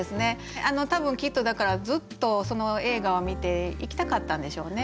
多分きっとずっとその映画を見て行きたかったんでしょうね。